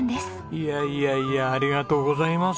いやいやいやありがとうございます。